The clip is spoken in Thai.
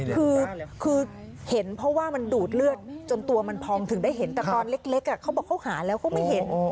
คือเห็นเพราะว่ามันดูดเลือดจนตัวมันพองถึงได้เห็นแต่ตอนเล็กเขาบอกเขาหาแล้วเขาไม่เห็น